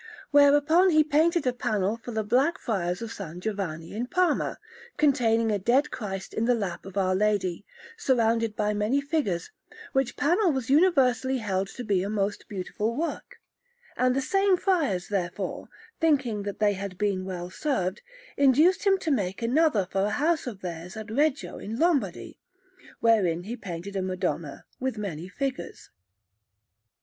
Whereupon he painted a panel for the Black Friars of S. Giovanni in Parma, containing a Dead Christ in the lap of Our Lady, surrounded by many figures; which panel was universally held to be a most beautiful work; and the same friars, therefore, thinking that they had been well served, induced him to make another for a house of theirs at Reggio in Lombardy, wherein he painted a Madonna with many figures.